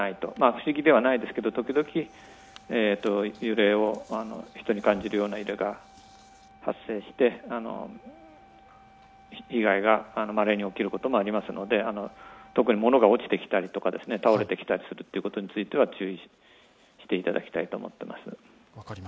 不思議ではないですけど、時々、人に感じる揺れが発生して、被害がまれに起きることもありますので、特に物が落ちてきたり、倒れてきたりすることについては注意していただきたいと思っています。